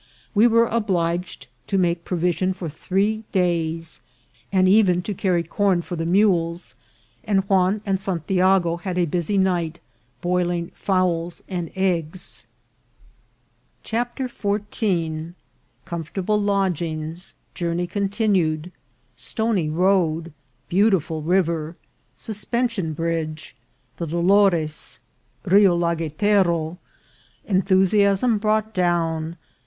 We were obliged to make provision for three days, and even to carry corn for the mules ; and Juan and San tiago had a busy night, boiling fowls and eggs. 240 INCIDENTS OF TRAVEL. CHAPTER XIV. Comfortable Lodgings.— Journey continued. — Stony Road. — Beautiful River.— Suspension Bridge. — The Dolores. — Rio Lagertero.— Enthusiasm brought down.